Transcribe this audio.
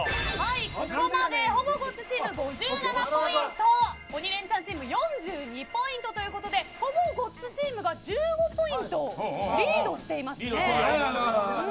ここまでほぼごっつチーム５７ポイント鬼レンチャンチーム４２ポイントということでほぼごっつチームが１５ポイントリードしています。